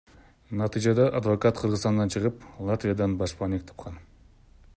Натыйжада адвокат Кыргызстандан чыгып Латвиядан башпаанек тапкан.